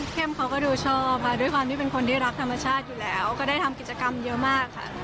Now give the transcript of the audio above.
เขาก็ดูชอบค่ะด้วยความที่เป็นคนที่รักธรรมชาติอยู่แล้วก็ได้ทำกิจกรรมเยอะมากค่ะ